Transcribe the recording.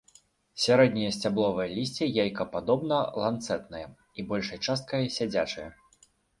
Сярэдняе сцябловае лісце яйкападобна-ланцэтнае і большай часткай сядзячае.